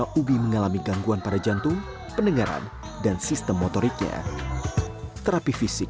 ubi mengalami gangguan pada jantung pendengaran dan sistem motoriknya terapi fisik